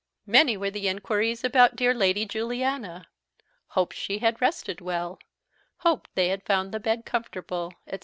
Many were the inquiries about dear Lady Juliana; hoped she had rested well; hoped the found the bed comfortable, etc.